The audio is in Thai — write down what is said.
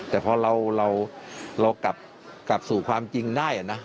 แต่พอเรากลับสู่ความจริงได้นะ